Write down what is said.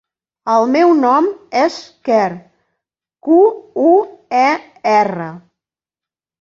El meu nom és Quer: cu, u, e, erra.